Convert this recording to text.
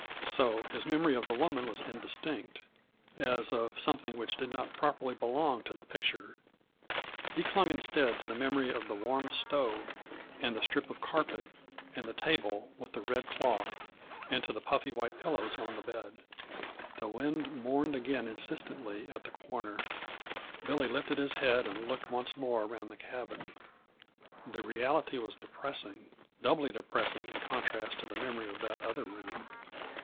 So his memory of the woman was indistinct, as of something which did not properly belong to the picture. He clung instead to the memory of the warm stove, and the strip of carpet, and the table with the red cloth, and to the puffy, white pillows on the bed. The wind mourned again insistently at the corner. Billy lifted his head and looked once more around the cabin. The reality was depressing doubly depressing in contrast to the memory of that other room.